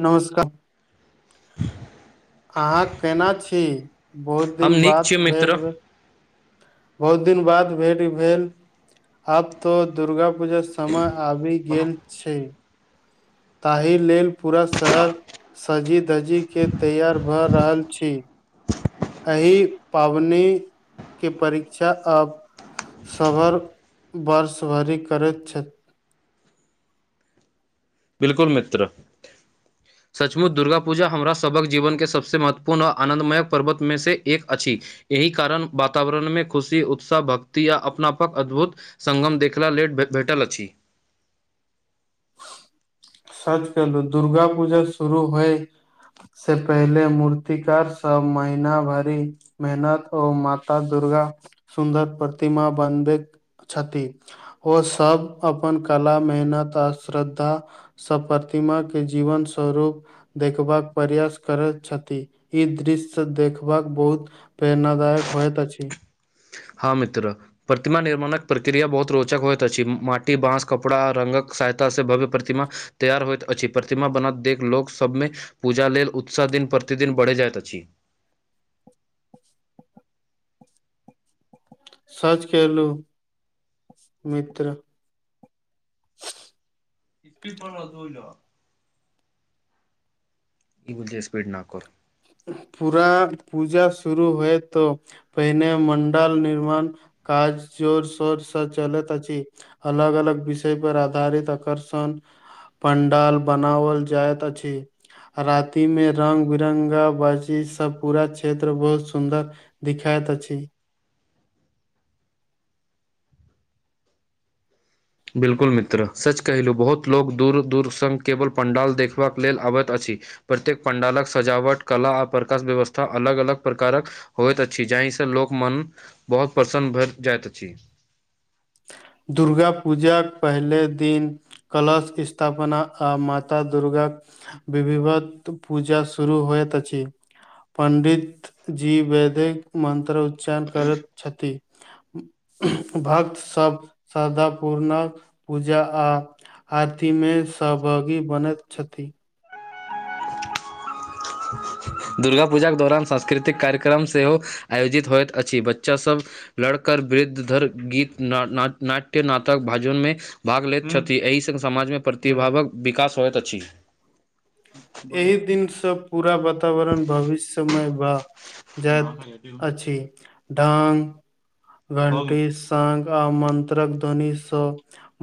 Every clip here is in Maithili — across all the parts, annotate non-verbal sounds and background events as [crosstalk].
नमस्कार। अहाँ केना छी बहुत हम दिन नीक बाद छी भेंट मित्र भेल। बहुत दिन बाद भेंट भेल। आब तऽ दुर्गा पूजा समय आबि गेल छै। ताहि लेल पूरा शहर। सजि धजी के तैयार भऽ रहल छै। एहि पाबनि के परीक्षा अब। सबर बर्ष भरि करैत छैत। बिलकुल मित्र। सचमुच दुर्गा पूजा हमरा सभक जीवन के सब सँ महत्वपूर्ण आनन्दमयक पर्वत में से एक अछि। एहि कारण वातावरन मे खुशी उत्साह भक्ति आ अपनापक अद्भुत। सङ्गम देखला लेट भेटल अछि। सच कहलु दुर्गा पूजा शुरू होय। से पहिले मूर्तिकार सब महीना भरि। मेहनत ओ माता दुर्गा सुन्दर प्रतिमा बनबैत छथि। ओ सब अपन कला मेहनत आ श्रद्धा। सब प्रतिमा के जीवन स्वरूप। देखबाक प्रयास करैत छथि, ई दृश्य देखबाक बहुत। प्रेरणादायक होयत अछि। हँ मित्र। प्रतिमा निर्माणक प्रक्रिया बहुत रोचक होइत अछि, माटी बाँस कपड़ा रंगक सहायता से भव्य प्रतिमा। तैयार होइत अछि, प्रतिमा बनत देख लोक सभमे पूजा लेल उत्साह दिन प्रतिदिन बढ़ि जाइत अछि। सच कहलु मित्र। [unintelligible] [inaudible] पूरा पूजा शुरू होयत तऽ। पहिने मंडाल निर्माण काज जोर शोर सँ चलैत अछि। अलग - अलग विषय पर आधारित आकर्षण। पंडाल बनाओल जाइत अछि, राति में रंग बिरंगक। वाजी सब से पूरा क्षेत्र बहुत सुंन्दर दिखाइत अछि। बिल्कुल मित्र सच कहलु बहुत लोक दूर दूर सन केवल पण्डाल देखबाक लेल आबैत अछि। प्रत्येक पंडालक सजावट कला आ प्रकाश व्यवस्था अलग अलग प्रकारक। होइत अछि, जाहिसँ लोक मन बहुत प्रसन्न भए जाइत अछि। दुर्गा पूजाक पहिले दिन- कलश स्तापना आ माता दुर्गाक- विभिवत पूजा शुरू होइत अछि। पण्डित जी वैदिक मन्त्र उ- जा करैत छथि। भक्त सब- श्रद्धा पूर्णक पूजा आ- आरती मे सहभागी बनैत छथि। दुर्गा पूजाके दौरान सांस्कृतिक कार्यक्रम सेहो आयोजित होइत अछि बच्चा सभ- लड़कर वृद्धधर गीत ना-नाद नाट्य नाटक भजन मे भाग लैत छथि एहि सङ्ग समाजमे प्रतिभावक विकास होइत अछी। एहि दिन सँ पूरा वतावरण भविष्यमय बा- जाइत अछी। डांग, वंटिश तांगा मन्त्रक ध्वनिसँ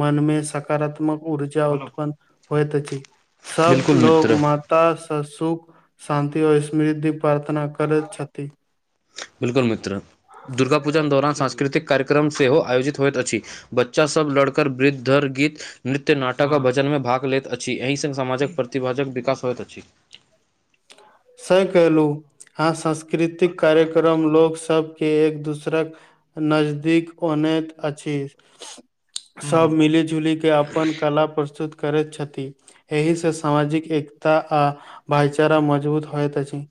मन मे सकारात्मक ऊर्जा उत्पन्न- होइत अछि सब बिल्कुल लोक- मित्र ता - स सुख, शान्ति आऔ स्मृद्धि प्रार्थना करैत छथी। बिलकुल मित्र, दुर्गा पूजा दौरान सांस्कृतिक कार्यक्रम सेहो आयोजित होइत अछी। बच्चा सब लड़कर वृद्ध धर गीत- नृत्य नाटक आ भजन में भाग लेैत अछी। एहि स समाजक प्रतिभाजक विकास होइत अछी।। से कलहु हँ संस्कृतिक कार्यक्रम लोक सबके एक दोसरक- नजदीक अनैत अछी। सब मिली जुली क अप- पन कला प्रस्तुत करैत छथी। एहि स सामाजिक एकता आ भाईचारा मजबूत होइत अछि।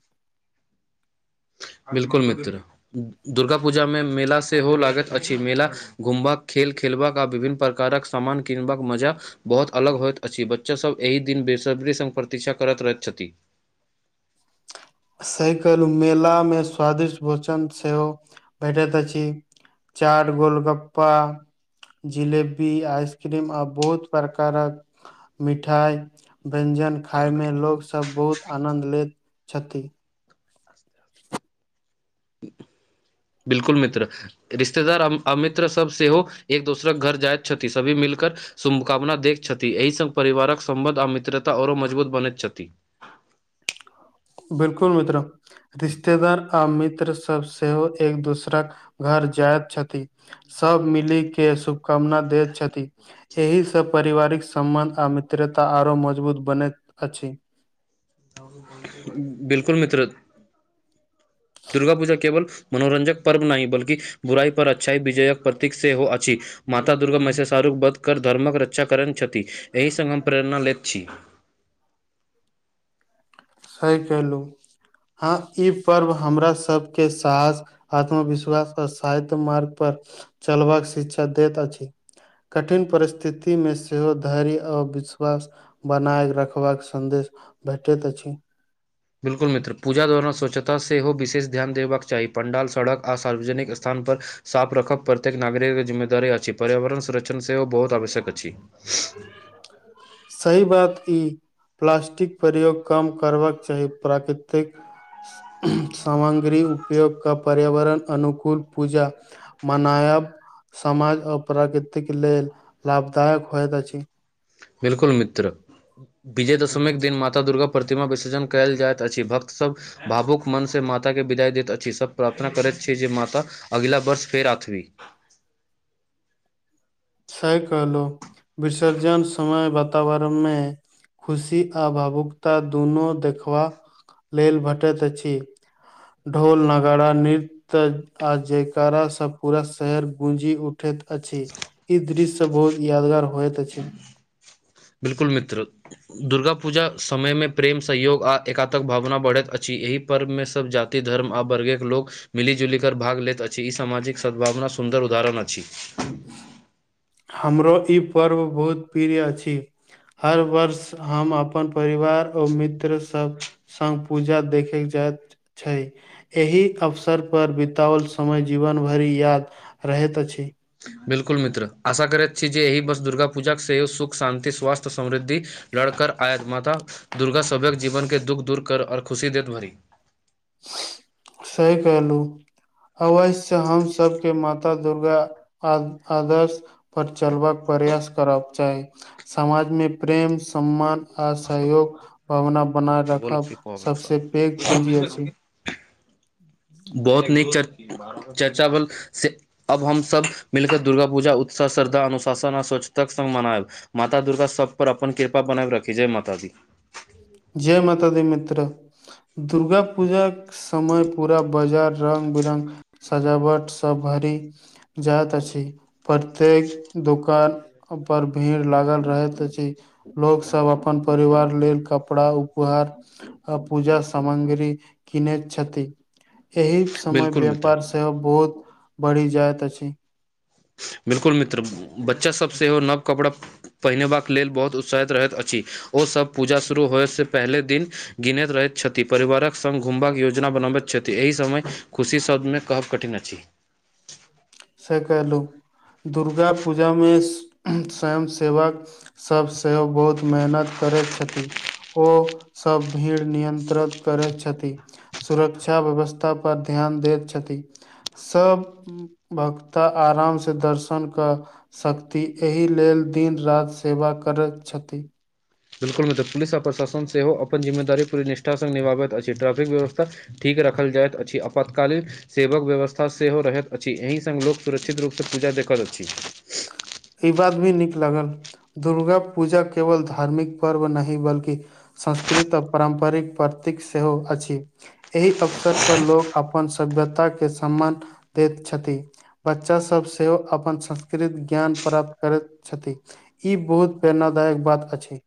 बिलकुल मित्र दु -दुर्गा पूजा मे मेला सेहो लागैत अछि। मेला- घुमबाक खेल खेलबाका आ विभिन्न प्रकारक सामान किनबाक मजा बहुत अलग होइत अछि। बच्चासभ एहि दिन बेसब्री सङ्ग प्रतीक्षा करैत रहैत छथि। सही कहलु मेला मे स्वादिष्ट भोचन सेहो भेटैत अछि। चाट गोलगप्पा- जिलेबी आइसक्रीम आ बहुत प्रकारक मिठाइ व्यञ्जन छथि खायमे लोकसभ बहुत आनन्द लैत छथि। [inaudible] बिलकुल मित्र रिश्तेदार आ -अमित्र सब सेहो एक दोसर के घर जाइत छथि। सभी मिलकर- शुभकामना देख छथि। एहि सङ्ग परिवारक सम्बन्ध आ मित्रता आओरो मजबूत बनैत छथि। बिलकुल मित्र रिश्तेदार आ मित्र सब सेहो एक दोसराक घर जाइत छथि। सब मिली के शुभकामना दैत छथि। एहिसँ परिवारिक सम्बन्ध आ मित्रता आरो मजबूत बनैत अछि। [unintelligible] बिलकुल मित्र- दुर्गा पूजा केवल मनोरंजक पर्व नहि बल्कि बुराई पर अच्छाई विजयक प्रतीक सेहो अछी। माता दुर्गा महिष -शाहरुख वध कर धर्मक रक्षा करैत छथि। एहि सङ् हम प्रेरणा लेैत छी। सही कहलहुँ, हँ ई पर्व हमरा सभके सास- आत्मविश्वास आर सायत मार्ग पर चलबाक शिक्षा दैत अछि। कठिन परिस्थितिमे सेहो धैर्य औ विश्वास- बनायक रखबाक सन्देश भेटैत अछि। बिल्कुल मित्र पूजा दौरान स्वच्छता सेहो विशेष ध्यान देबाक चाही पण्डाल सड़क आ सार्वजनिक स्थान पर- साफ रखब प्रत्येक नागरिकके जिम्मेदारी अछि। पर्यावरण संरक्षण सेहो बहुत आवश्यक अछि। [inaudible] सही बात ई प्लास्टिक प्रयोग कम करबाक चाही। प्राकृतिक उम्मह, सामंग्री उपयोग का पर्यावरण अनुकूल पूजा मनायब समाज आ प्रकृतिक लेल लाभदायक होइत अछि। बिल्कुल मित्र विजया दशमीक के दिन माता दुर्गा प्रतिमा विसर्जन कएल जाइत अछि। भक्तसभ भावुक मनसँ माताके विदाई दैत अछि। सभ प्रार्थना करैत छी जे माता अगला वर्ष फेर आथवी सही कहलहु विसर्जन समय वातावरण में खुशी आ भावुकता दुनु देखबाक लेल भटैत अछि। ढोल, नागारा, नीत त्य आ जयकारा से पूरा शहर गूँजी उठैत अछि। इ दृश्य सब बहुत यादगार होयत अछि। बिल्कुल मित्र दुर्गा पूजा समयमे प्रेम सहयोग आ एकातक भावना बढ़ैत अछि। एहि पर्वमे सब जाति धर्म आ वर्गेक लोक मिलि जुलि कर भाग लैत अछि। ई सामाजिक सद्भावना सुन्दर उदाहरण अछि। हमरो ई पर्व बहुत प्रिय अछि। हर वर्ष हम अपन परिवार ओ मित्रसब संग पूजा देखैक जाइत छै। एहि अवसरपर बिताओल समय जीवन भरि याद रहैत अछि। बिलकुल मित्र, आशा करैत छी जे एहि बस दुर्गा पूजाक सेहो सुख, शान्ति, स्वास्थ्य, समृद्धि लड़कर आयत माता दुर्गा सबहक जीवन के दुःख दूर कर आर खुशी देत भरी। [inaudible] सही कहलू अवैश्य हम सबके माता दुर्गा आ आदर्श पर चलबाक प्रयास करब चाही। समाजमे प्रेम सम्मान आ सहयोग भावना बना राखब बोल सबसे पैघ पूंजी अछि। बहुत नीक चर चर्चा भेल से अब हम सब मिल कऽ दुर्गा पूजा उत्साह, श्रद्धा अनुशासन आ स्वच्छताक संग मनायब। माता दुर्गा सब पर अपन कृपा बनैब रखी। जय माता दी। जय माता दी मित्र, दुर्गा पूजाक समय पूरा बाजार रंग बिरंग सजावट सब भरि जाइत अछि। प्रत्येक दुकान पर भीड़ लागल रहैत अछि। लोकसब अपन परिवार लेल क कपड़ा, उपहार आ पूजा सामग्री किनैत छथि। एहि समय बिल्कुल मित्र व्यापार सेहो बहुत बढ़ि जायत अछि। बिलकुल मित्र, बच्चा सब सेहो नव कपड़ा पहिरबाक लेल बहुत उत्साहित रहैत अछि। ओसब पूजा शुरू होयसँ पहिले दिन गिनैत रहैत छथि। परिवारक संग घुमबाक योजना बनाबैत छथि। एहि समय खुशी शब्दमे कहब कठिन अछि। सही कहलू, दुर्गा पूजा मे स्वयं सेवक सब सेहो बहुत मेहनत करैत छथि। ओ सब भीड़ नियंत्रित करैत छथि। सुरक्षा व्यवस्था पर ध्यान दैत छथि। सब भक्ता आरामसँ दर्शन कऽ सकती। एहि लेल दिन राति सेवा करैत छथि। बिल्कुल नहि तऽ पुलिस आ प्रशासन सेहो अपन जिम्मेदारी पूरी निष्ठासँ निभाबैत अछि। ट्रैफिक व्यवस्था ठीक रखल जाइत अछि। अपतकालीन सेवक व्यवस्था सेहो रहैत अछि। एहि संग लोक सुरक्षित रूपसँ पूजा देखत अछि। ई बात भी नीक लगल। दुर्गा पूजा केवल धार्मिक पर्व नहि बल्कि संस्कृत आ पारम्परिक प्रतीक सेहो अछि। एहि अवसर पर लोक अपन सभ्यता के सम्मान दैत छथि। बच्चा सब सेहो अपन संस्कृत ज्ञान प्राप्त करैत छथि। ई बहुत प्रेरणादायक बात अछि।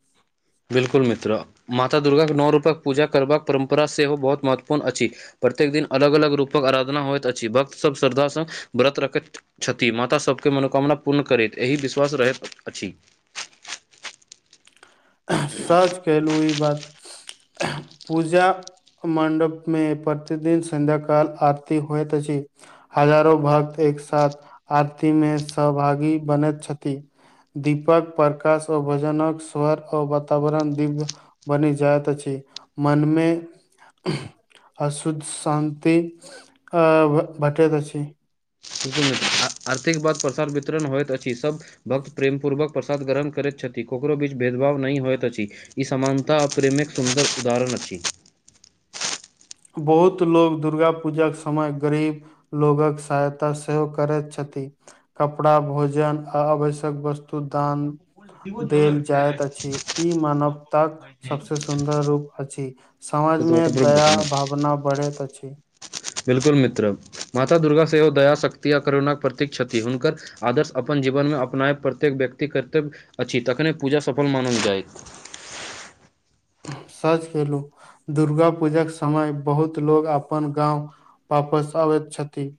बिल्कुल मित्र, माता दुर्गाके नौ रूपक पूजा करबाक परम्परा सेहो बहुत महत्वपूर्ण अछि। औ प्रत्येक दिन अलग अलग रूपक आराधना होइत अछि। भक्तसब श्रद्धासँ व्रत रखैत छथि। माता सबके मनोकामना पूर्ण करैत एहि विश्वास रहैत अछि। सच केहलू ई बात। पूजा मंडप मे प्रतिदिन संध्या काल आरती होयत अछि। हजारो भक्त एक साथ आरती मे सहभागी बनैत छथि। दीपक प्रकाश ओ भजनक स्वर औ वातावरण दिव्य बनि जाइत अछि। मनमे अशुद्ध, शान्ति अ बटैत अछि। [inaudible] आरती के बाद प्रसाद वितरण होइत अछि। सब भक्त प्रेमपूर्वक प्रसाद ग्रहण करैत छथि। ककरो बीच भेदभाव नहि होइत अछि। इ समानता आ प्रेम एक सुन्दर उदाहरण अछि। बहुत लोक दुर्गा पुजाक समय गरीब लोगक सहायता सेहो करैत छथि। कपड़ा भोजन आ आवश्यक वस्तु दान देल जाइत अछि। इ मानवताक सबसे सुन्दर रूप अछि। तऽ तोरा समाजमे तऽ बरोबर दया भावना बढ़ैत अछि। बिलकुल मित्र, माता दुर्गा सेहो दया, शक्ति आ करुणाक प्रतीक छथि। हुनकर आदर्श अपन जीवनमे अपनायब प्रत्येक व्यक्ति कर्तव्य अछि। तखने पुजा सफल मानल जायत। सच कयलहु। दुर्गा पूजाक समय बहुत लोग अपन गाँव वापस अबैत छथिन।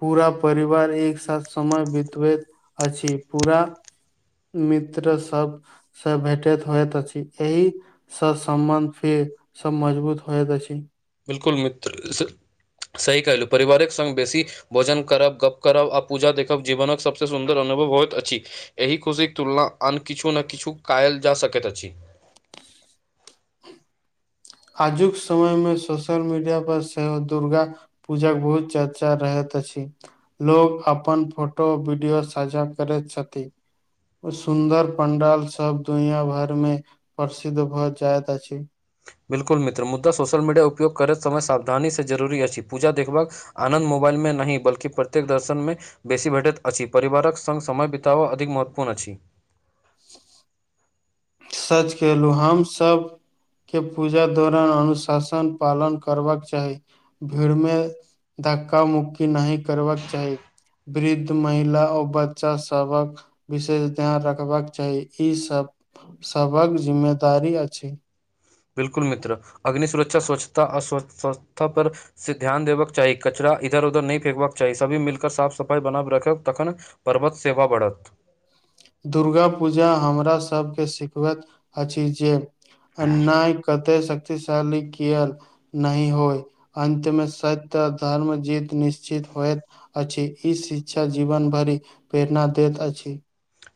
पुरा परिवार एक साथ समय बितबैत अछि। पुरा मित्र सब से भेटैत होइत अछि। एहि स सम्बन्ध फेर स मजबूत होइत अछि। बिलकुल मित्र, स सही कहलु परिवारक संग बेसी भोजन करब, गप्प करब आ पूजा देखब जीवनक सबसे सुन्दर अनुभव होइत अछि। एहि खुशीक तुलना आन किछु ने किछु कायल जा सकैत अछि। आजुक समयमे सोशल मीडिया पर सेहो दुर्गा पुजाक बहुत चर्चा रहैत अछि। लोग अपन फोटो वीडियो साझा करैत छथिन। सुन्दर पंडाल सब दुनिया भर मे प्रसिद्ध भऽ जाइत अछि। बिल्कुल मित्र, मुदा सोशल मीडिया उपयोग करैत समय सावधानी सँ जरूरी अछि पूजा देखबाक आनन्द मोबाइल मे नै बल्कि प्रत्येक दर्शनमे बेसी भेटैत अछि परिवारक संग समय बिताब अधिक महत्वपूर्ण अछि। सच कहलहु, हम सब के पूजा दौरान अनुशासन पालन करबाक चाही भीड़मे धक्क मुुक्की नै करबाक चाही। वृद्ध, महिला ओ बच्चा सबहक विशेष ध्यान रखबाक चाही इ सब सभक जिम्मेदारी अछि। बिलकुल मित्र, अग्नि सुरक्षा स्वच्छता आ स्वस्थता पर विशेष ध्यान देबाक चाही, कचड़ा इधर उधर नै फेकबाक चाही, सभी मिलकर साफ सफाई बनाब राखब तखन परभक्त सेवा बढ़त। दुर्गा पुजा हमरा सबके सिखबैत अछि जे अन्याय कते शक्तिशाली किया नै होइ। अन्तमे सत्य, धर्म के जीत निश्चित होयत। अछि इ शिक्षा जीवन भरि प्रेरणा दैत अछि।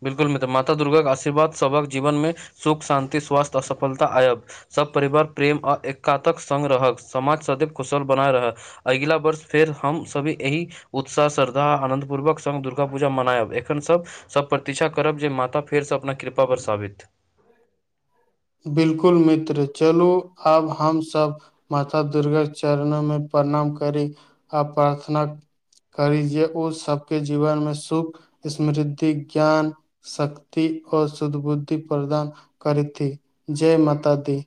बिलकुल मित्र, माता दुर्गाक के आशीर्वाद सबक जीवन मे सुख शांति स्वास्थ्य आ सफलता आयब। सब परिवार प्रेम आ एकताक संग रहत, समाज सदैव कुशल बनल रहय। अगिला वर्ष फेर हम सब एहि उत्साह, श्रद्धा आ आनंदपूर्वक संग दुर्गाापुजा मनायब एखन सब सब प्रती्क्षा करब जे माता फेर स अपन कृपा बरसाबैत। बिलकुल मित्र, चलु आब हम सब माता दुर्गा चरण मे प्रणाम करी आ प्रार्थना करी जे ओ सबके जीवनमे सुख, समृद्धि, ज्ञान शक्ति और सद्बुद्धि प्रदान करती, जय माता दी।